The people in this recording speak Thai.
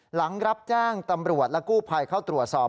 หลังรับแจ้งตำรวจและกู้ภัยเข้าตรวจสอบ